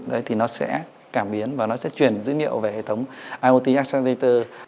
đấy thì nó sẽ cảm biến và nó sẽ truyền dữ liệu về hệ thống iot accelerator